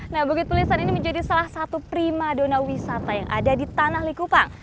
nah bukit pulisan ini menjadi salah satu prima donawisata yang ada di tanah likupang